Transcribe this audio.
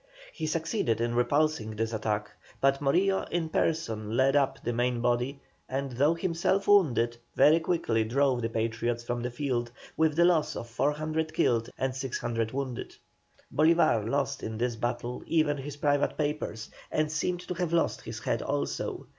He succeeded in repulsing this attack, but Morillo, in person, led up the main body, and though himself wounded, very quickly drove the Patriots from the field, with the loss of 400 killed and 600 wounded. Bolívar lost in this battle even his private papers, and seemed to have lost his head also.